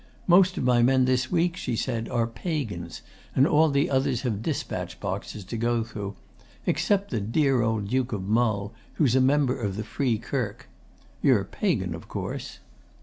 "Most of my men this week," she said, "are Pagans, and all the others have dispatch boxes to go through except the dear old Duke of Mull, who's a member of the Free Kirk. You're Pagan, of course?"